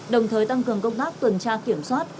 đồng thời tăng cường công tác tuần tra kiểm soát